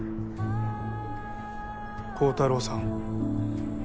幸太郎さん？